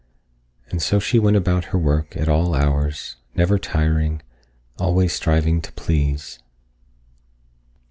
And so she went about her work at all hours, never tiring, always striving to please.